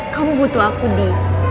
kamu butuh aku di